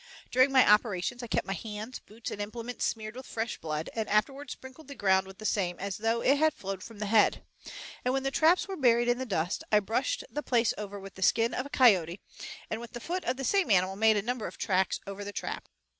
During my operations I kept my hands, boots, and implements smeared with fresh blood, and afterward sprinkled the ground with the same, as though it had flowed from the head; and when the traps were buried in the dust I brushed the place over with the skin of a coyote, and with a foot of the same animal made a number of tracks over the traps.